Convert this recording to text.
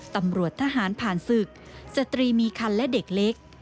ตำรวจทหารผ่านศึกสตรีมีคันและเด็กเล็ก